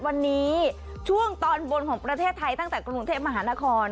วันนี้ช่วงตอนบนของประเทศไทยตั้งแต่กรุงเทพมหานคร